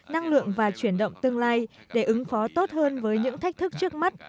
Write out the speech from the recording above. năng lượng và chuyển động tương lai để ứng phó tốt hơn với những thách thức trước mắt